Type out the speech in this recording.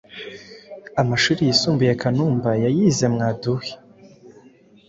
Amashuri yisumbuye Kanumba yayize muri Mwadui